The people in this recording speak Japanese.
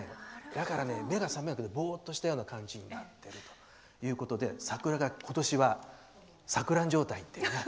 だからね、目が覚めなくてボーっとしたような感じになってるということで桜が今年は錯乱状態というね。